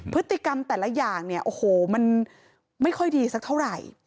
พฤติกรรมแต่ละอย่างเนี่ยโอ้โหมันไม่ค่อยดีสักเท่าไหร่